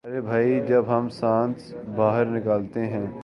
ارے بھئی جب ہم سانس باہر نکالتے ہیں